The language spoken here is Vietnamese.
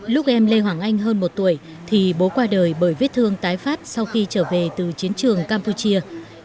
lúc em lê hoàng anh hơn một tuổi thì bố qua đời bởi vết thương tái phát sau khi trở về từ chiến trường campuchia